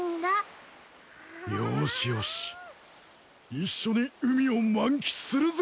一緒に海を満喫するぜ。